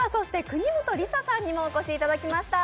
国本梨紗さんにもお越しいただきました。